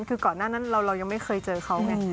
คือก่อนหน้านั้นเรายังไม่เคยเจอเขาไง